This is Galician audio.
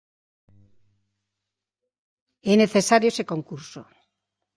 É necesario ese concurso.